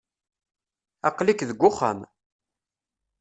Aql-ik deg wexxam.